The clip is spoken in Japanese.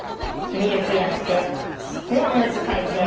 ミルクやっておむつ替えて。